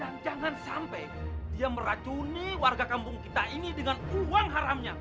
dan jangan sampai dia meracuni warga kampung kita ini dengan uang haramnya